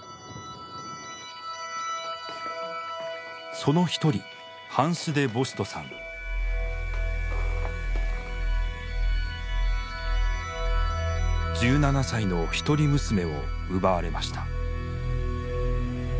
その一人１７歳の一人娘を奪われました。